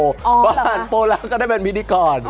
เพราะว่าผ่านโปแล้วก็ได้เป็นมิดิกร